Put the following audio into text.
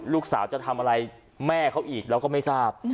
ลูกสาวจะทำอะไรแม่เขาอีกเราก็ไม่ทราบ